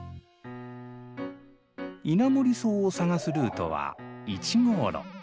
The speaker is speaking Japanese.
イナモリソウを探すルートは１号路。